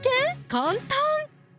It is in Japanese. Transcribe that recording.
簡単！